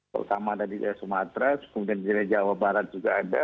pertama ada di jawa sumatera kemudian di jawa barat juga ada